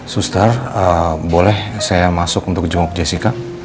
suster boleh saya masuk untuk jemok jessica